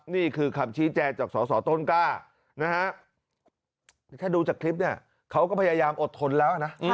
นี่คือคำชี้แจงจากสสต้นกล้านะฮะถ้าดูจากคลิปเนี่ยเขาก็พยายามอดทนแล้วนะ